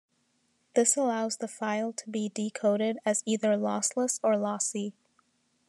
This allows the file to be decoded as either lossless or lossy.